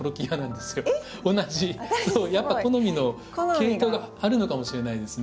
すごい。やっぱ好みの系統があるのかもしれないですね。